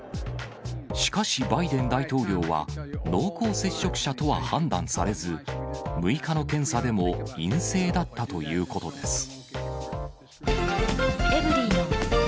しかしバイデン大統領は、濃厚接触者とは判断されず、６日の検査でも陰性だったということです。